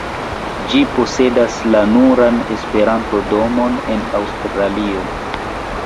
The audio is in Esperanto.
Ĝi posedas la nuran Esperanto-domon en Aŭstralio.